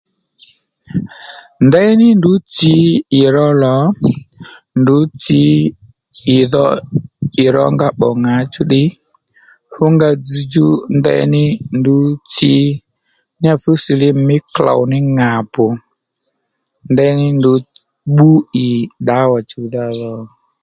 Ndeyní ndrǔ tsǐ ì ró lò ndrǔ tsǐ ì dho ì rónga bbò ŋǎchú ddiy fú nga dzzdjú ndeyní ndrǔ tsǐ ya fú silimu mí klôw ní ŋà bbù ndeyní ndrǔ bbú ì ddǎwà chùwdha dhò